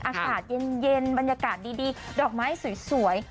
อากาศเย็นบรรยากาศดีดอกไม้สวย